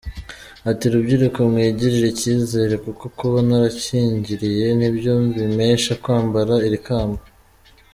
Ati “Rubyiruko mwigirire icyizere kuko kuba naracyigiriye nibyo bimpesha kwambara iri kamba.